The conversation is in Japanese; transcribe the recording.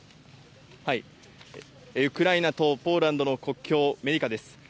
ウクライナとポーランドの国境、メディカです。